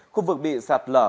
khu vực bị sạt lở